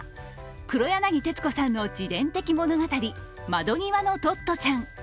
黒柳徹子さんの自伝的物語「窓ぎわのトットちゃん」。